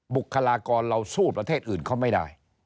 บุคลากรเราสู้ประเทศอื่นเขาไม่ได้